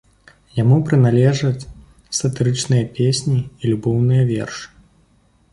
Яму прыналежаць сатырычныя песні і любоўныя вершы.